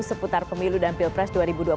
seputar pemilu dan pilpres dua ribu dua puluh